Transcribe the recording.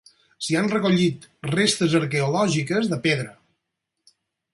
S'hi han recollit restes arqueològiques de pedra.